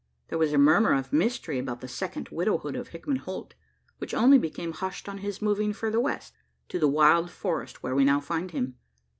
There was a murmur of mystery about the second widowhood of Hickman Holt, which only became hushed on his "moving" further west to the wild forest where we now find him.